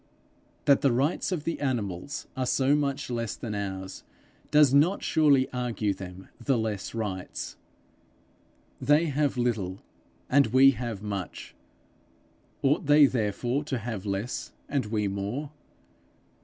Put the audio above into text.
That the rights of the animals are so much less than ours, does not surely argue them the less rights! They have little, and we have much; ought they therefore to have less and we more?